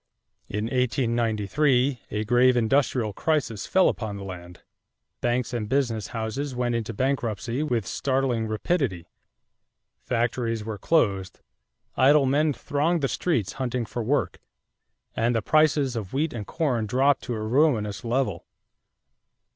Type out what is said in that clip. In 1893 a grave industrial crisis fell upon the land: banks and business houses went into bankruptcy with startling rapidity; factories were closed; idle men thronged the streets hunting for work; and the prices of wheat and corn dropped to a ruinous level.